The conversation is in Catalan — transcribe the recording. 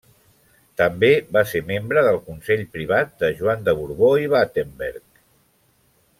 També va ser membre del consell privat de Joan de Borbó i Battenberg.